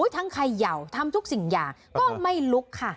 เขย่าทำทุกสิ่งอย่างก็ไม่ลุกค่ะ